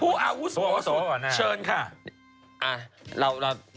ผู้อาวุศสุดชวนค่ะอาเรา